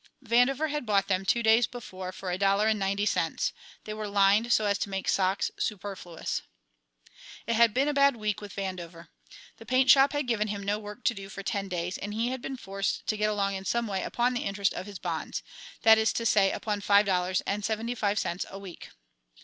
Vandover had bought them two days before for a dollar and ninety cents. They were lined so as to make socks superfluous. It had been a bad week with Vandover. The paint shop had given him no work to do for ten days, and he had been forced to get along in some way upon the interest of his bonds that is to say, upon five dollars and seventy five cents a week.